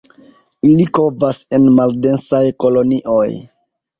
Ili kovas en maldensaj kolonioj.